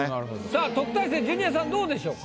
さあ特待生ジュニアさんどうでしょうか？